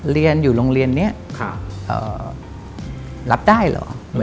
เรียนอยู่โรงเรียนนี้รับได้เหรอ